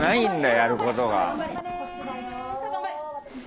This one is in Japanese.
やることが。